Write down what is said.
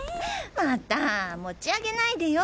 またもち上げないでよ。